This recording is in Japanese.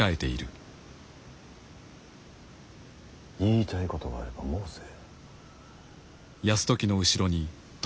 言いたいことがあれば申せ。